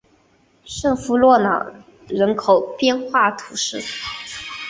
圣夫洛朗人口变化图示